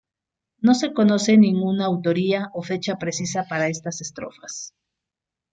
No se conoce ninguna autoría o fecha precisa para estas estrofas.